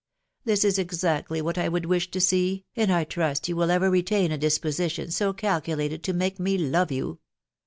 This is exactly what I would wish to see, and I trust you will ever retain a disposition so calcu lated to make me love you.